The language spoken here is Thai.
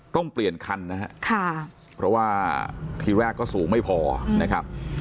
ต้องเปลี่ยนคันนะครับเพราะว่าทีแรกก็สูงไม่พอนะครับ